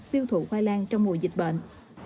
tiêu thụ khoai lang trong mùa dịch bệnh